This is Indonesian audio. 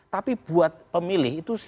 tapi buat pemilih itu